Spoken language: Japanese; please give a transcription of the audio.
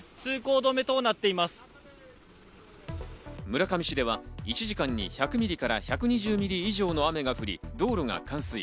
村上市では１時間に１００ミリから１２０ミリ以上の雨が降り、道路が冠水。